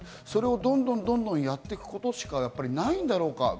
それをどんどんとやっていくことしかないんだろうか？